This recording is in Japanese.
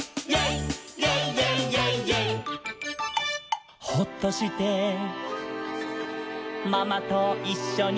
イェイイェイイェイイェイ」「ほっとして」「ほっとして」「ママといっしょに」